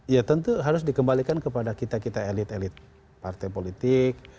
ya tentu harus dikembalikan kepada kita kita elit elit partai politik